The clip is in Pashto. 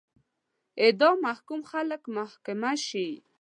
اعدام محکوم خلک محاکمه شي.